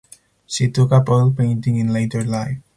She took up oil painting in later life.